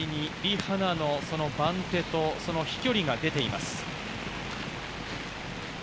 左にリ・ハナの番手と飛距離が出ています。